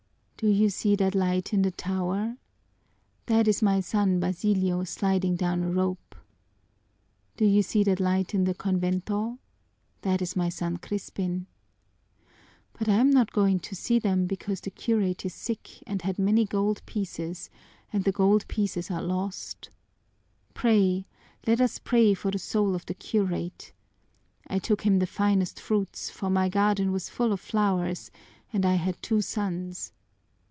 "Do you see that light in the tower? That is my son Basilio sliding down a rope! Do you see that light in the convento? That is my son Crispin! But I'm not going to see them because the curate is sick and had many gold pieces and the gold pieces are lost! Pray, let us pray for the soul of the curate! I took him the finest fruits, for my garden was full of flowers and I had two sons!